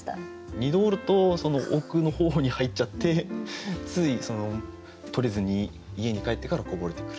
二度折るとその奥の方に入っちゃってつい取れずに家に帰ってからこぼれてくる。